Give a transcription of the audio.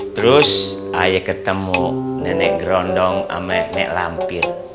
terus ayek ketemu nenek grondong sama nenek lampir